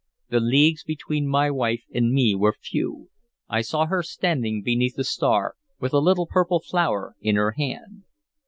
The leagues between my wife and me were few. I saw her standing beneath the star, with a little purple flower in her hand.